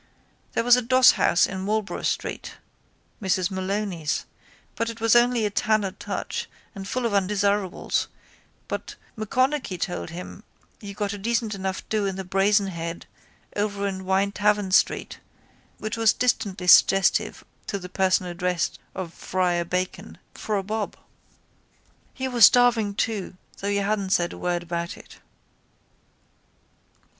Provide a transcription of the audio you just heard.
There was a dosshouse in Marlborough street, Mrs Maloney's, but it was only a tanner touch and full of undesirables but M'Conachie told him you got a decent enough do in the Brazen Head over in Winetavern street (which was distantly suggestive to the person addressed of friar Bacon) for a bob. He was starving too though he hadn't said a word about it.